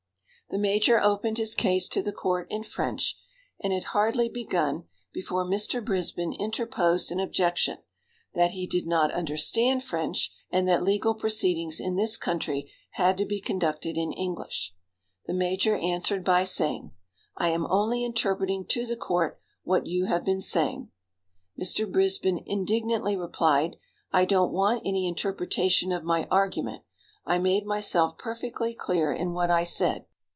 The major opened his case to the court in French, and had hardly begun before Mr. Brisbin interposed an objection, that he did not understand French, and that legal proceedings in this country had to be conducted in English. The major answered by saying: "I am only interpreting to the court what you have been saying." Mr. Brisbin indignantly replied: "I don't want any interpretation of my argument; I made myself perfectly clear in what I said."